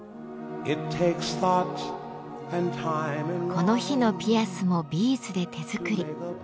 この日のピアスもビーズで手作り。